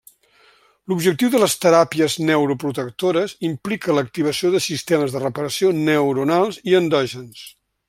L'objectiu de les teràpies neuroprotectores implica l'activació de sistemes de reparació neuronals endògens.